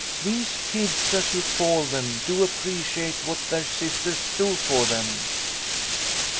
These kids, as you call them, do appreciate what their sisters do for them."